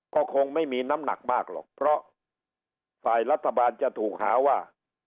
ก็คงไม่มีน้ำหนักมากหรอกเพราะฝ่ายรัฐบาลจะถูกหาว่า